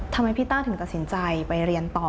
ทำไมพี่ต้าถึงตัดสินใจไปเรียนต่อ